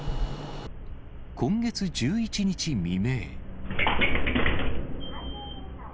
今月１１日未明。